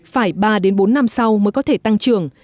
phải ba đến bốn năm sau mới có thể tăng trưởng